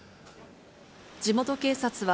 地元警察は、